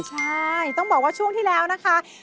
ใช่ต้องบอกว่าช่วงที่แล้วนะคะ